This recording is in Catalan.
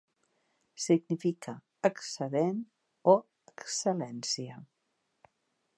Significa "excedent" o "excel·lència".